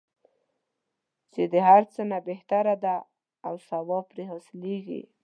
چې د هر څه نه بهتره دی او ثواب پرې حاصلیږي.